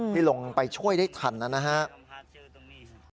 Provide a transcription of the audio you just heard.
ที่ลงไปช่วยได้ทันนะครับ